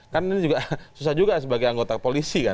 kan ini juga susah juga sebagai anggota polisi kan